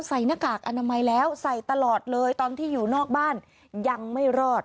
หน้ากากอนามัยแล้วใส่ตลอดเลยตอนที่อยู่นอกบ้านยังไม่รอด